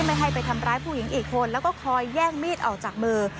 ไม่ให้ไปทำร้ายผู้หญิงอีกคนแล้วก็คอยแย่งมีดออกจากมือ